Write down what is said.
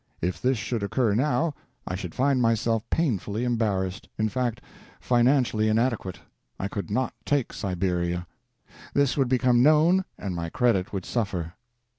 If this should occur now, I should find myself painfully embarrassed, in fact financially inadequate. I could not take Siberia. This would become known, and my credit would suffer.